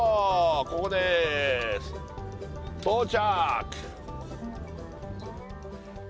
ここです到着！